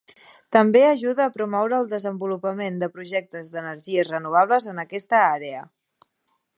També ajuda a promoure el desenvolupament de projectes d'energies renovables en aquesta àrea.